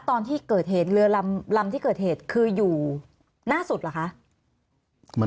ตอนที่เกิดเหตุเรือลำที่เกิดเหตุคืออยู่หน้าสุดเหรอคะ